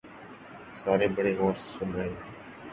سارے بڑے غور سے سن رہے تھے